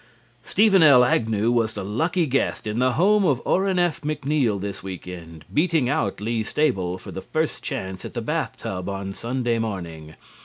Stephen L. Agnew was the lucky guest in the home of Orrin F. McNeal this week end, beating out Lee Stable for first chance at the bath tub on Sunday morning.